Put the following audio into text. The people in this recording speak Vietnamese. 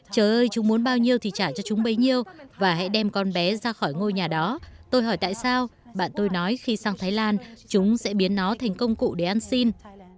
chờ ơi chúng muốn bao nhiêu thì trả cho chúng bấy nhiêu và hãy đem con bé ra khỏi ngôi nhà đó tôi hỏi tại sao bạn tôi nói khi sang thái lan chúng sẽ biến nó thành công cụ để ăn xin